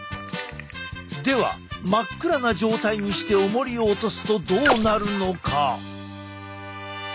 では真っ暗な状態にしておもりを落とすとどうなるのか？